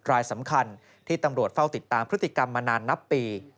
รายสำคัญที่ตำรวจเฝ้าติดตามพฤติกรรมมานานนับปี